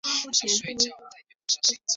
甚受汉和帝特殊宠爱。